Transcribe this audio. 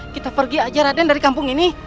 kita pergi aja raden dari kampung ini